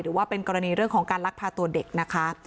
หรือว่าเป็นกรณีเรื่องของการลักพาตัวเด็กนะคะ